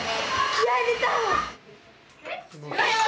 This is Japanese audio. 気合い入れた！